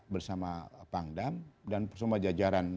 bersama pangdam dan semua jajaran